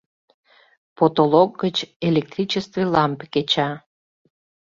Потолок гыч электричестве лампе кеча.